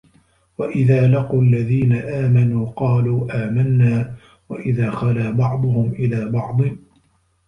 وَإِذَا لَقُوا الَّذِينَ آمَنُوا قَالُوا آمَنَّا وَإِذَا خَلَا بَعْضُهُمْ إِلَىٰ بَعْضٍ